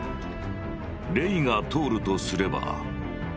「レイが透るとすれば」。